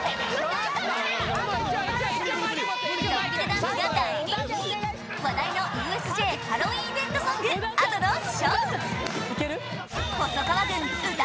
ゾンビ・デ・ダンスが大人気話題のＵＳＪハロウィーンイベントソングＡｄｏの「唱」細川軍歌